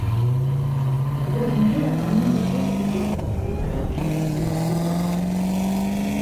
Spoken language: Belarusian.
Зразумела, не абышлося тут без забабонаў і памылковых суджэнняў.